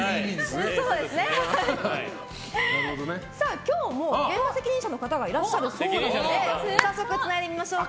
今日も現場責任者の方がいらっしゃるそうなので早速つないでみましょうか。